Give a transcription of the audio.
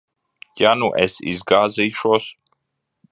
Ja nu es izgāzīšos?